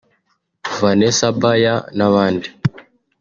Vanessa Bayer n’abandi